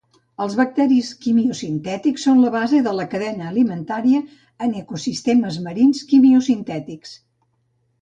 Els bacteris quimiosintètics són la base de la cadena alimentària en ecosistemes marins quimiosintètics